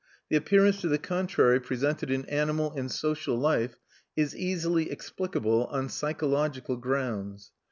The appearance to the contrary presented in animal and social life is easily explicable on psychological grounds.